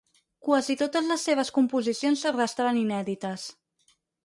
Quasi totes les seves composicions restaren inèdites.